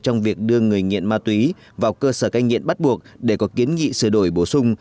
trong việc đưa người nghiện ma túy vào cơ sở cai nghiện bắt buộc để có kiến nghị sửa đổi bổ sung